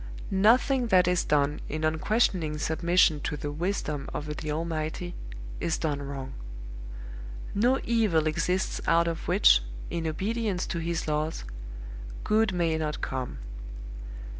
Nothing that is done in unquestioning submission to the wisdom of the Almighty is done wrong. No evil exists out of which, in obedience to his laws, Good may not come.